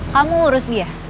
kamu urus dia